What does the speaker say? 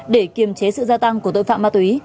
để kiềm chế sự gia tăng của tội phạm ma túy